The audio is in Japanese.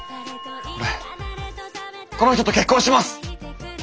俺この人と結婚します！